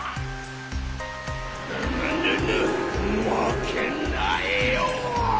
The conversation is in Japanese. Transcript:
ぐぬぬぬまけないよ！